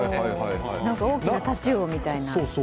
大きなタチウオみたいな。